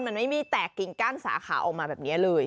มันไม่มีแตกกิ่งกั้นสาขาออกมาแบบนี้เลย